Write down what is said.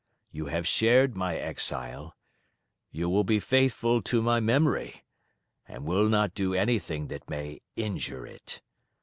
You have shared my exile, you will be faithful to my memory, and will not do anything that may injure it.